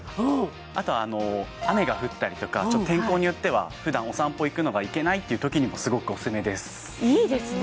あとは雨が降ったりとか天候によってはふだんお散歩行くのが行けないっていうときにもすごくオススメですいいですね